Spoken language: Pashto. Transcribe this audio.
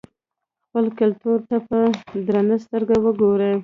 خپل کلتور ته په درنه سترګه وګورئ.